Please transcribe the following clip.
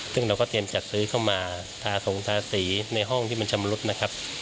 ซึ่งเราก็เตรียมจัดซื้อเข้ามาทาสงทาสีในห้องที่มันชำรุดนะครับ